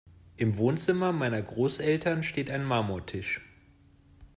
Im Wohnzimmer meiner Großeltern steht ein Marmortisch.